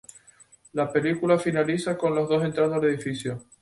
La película finaliza con los dos entrando al edificio.